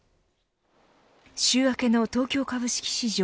週明けの東京株式市場。